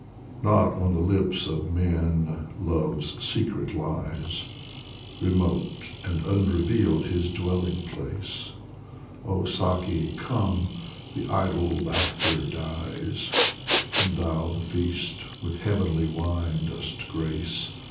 Not on the lips of men Love's secret lies, Remote and unrevealed his dwelling place. Oh Saki, come ! the idle laughter dies When thou the feast with heavenly wine dost grace.